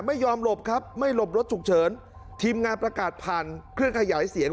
ไม่ยอมหลบครับไม่หลบรถฉุกเฉินทีมงานประกาศผ่านเครื่องขยายเสียง